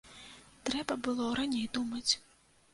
Трэба было раней думаць.